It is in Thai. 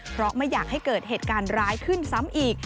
เพราะไม่อยากให้เกิดเหตุการณ์ร้ายขึ้นซ้ำอีก